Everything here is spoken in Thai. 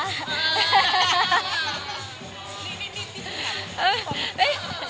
อั๊ะ